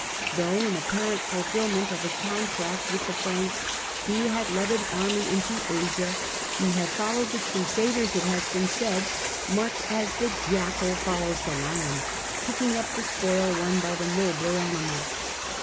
Though in apparent fulfilment of his contract with the Franks he had led an army into Asia, he had followed the Crusaders, it has been said, much as the jackal follows the lion, picking up the spoil won by the nobler animal.